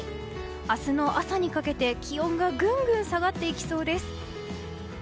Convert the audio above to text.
明日の朝にかけて、気温がぐんぐん下がっていきそうです。